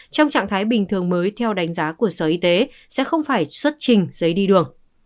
trong trạng thái bình thường mới theo đánh giá của sở y tế sẽ không phải xuất trình giấy đi đường